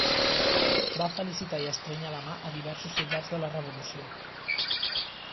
Va felicitar i estrènyer la mà a diversos soldats de la Revolució.